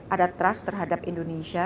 ada trust terhadap indonesia